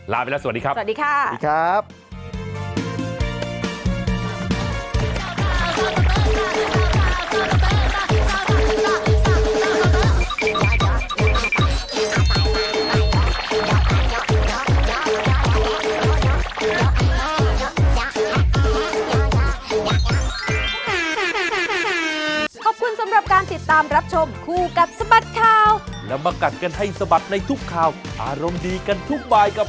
ลาไปแล้วสวัสดีครับสวัสดีครับสวัสดีครับสวัสดีครับ